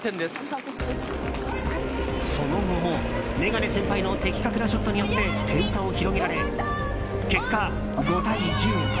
その後もメガネ先輩の的確なショットによって点差を広げられ、結果５対１０。